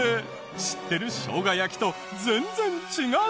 知ってる生姜焼きと全然違う！